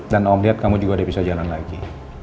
dan om liat kamu juga udah bisa jalan lagi